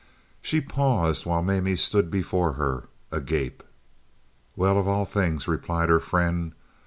She paused, while Mamie stood before her, agape. "Well, of all things," replied her friend.